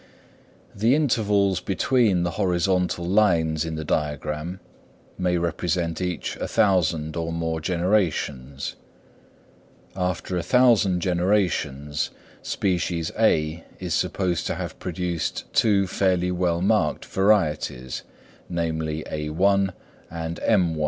The intervals between the horizontal lines in the diagram, may represent each a thousand or more generations. After a thousand generations, species (A) is supposed to have produced two fairly well marked varieties, namely _a_1 and _m_1.